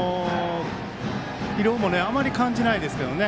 疲労もあまり感じないですけどね。